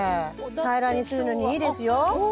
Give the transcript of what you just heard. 平らにするのにいいですよ。